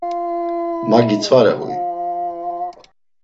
Ma gitzvare huy?